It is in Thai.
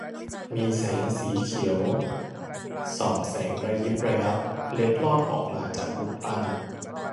มีแสงสีเขียวส่องแสงระยิบระยับเล็ดลอดออกมาจากรูปปั้น